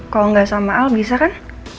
kalau nggak sama al bisa kan